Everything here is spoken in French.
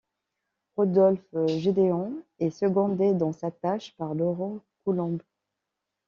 Rodolphe Gédéon est secondé dans sa tâche par Laurent Coulomb.